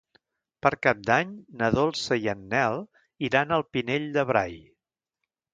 Per Cap d'Any na Dolça i en Nel iran al Pinell de Brai.